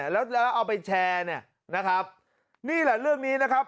แล้วเอาไปแชร์เนี่ยนะครับนี่แหละเรื่องนี้นะครับ